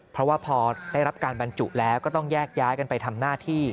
เพราะว่าพอได้รับการบรรจุแล้วก็ต้องแยกย้ายกันไปทำหน้าที่